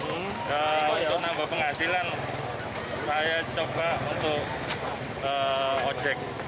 untuk nambah penghasilan saya coba untuk ojek